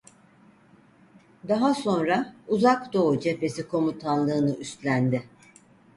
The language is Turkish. Daha sonra Uzak Doğu Cephesi Komutanlığı'nı üstlendi.